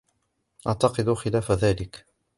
اعتقد خلاف ذلك.